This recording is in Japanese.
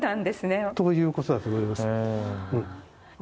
ということだと思います。